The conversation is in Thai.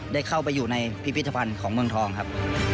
ได้เข้าไปอยู่ในพิพิธภัณฑ์ของเมืองทองครับ